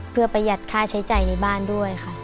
เพื่อประหยัดค่าใช้จ่ายในบ้านด้วยค่ะ